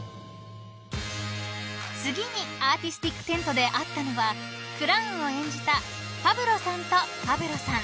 ［次にアーティスティックテントで会ったのはクラウンを演じたパブロさんとパブロさん］